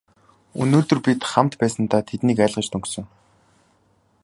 Өнөөдөр бид хоёр хамт байсандаа тэднийг айлгаж дөнгөсөн.